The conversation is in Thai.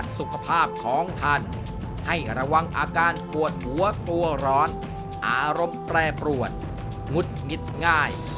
สุขภาพของท่านให้ระวังอาการปวดหัวกลัวร้อนอารมณ์แปรปรวนงุดงิดง่าย